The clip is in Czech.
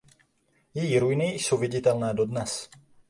Její ruiny jsou viditelné dodnes.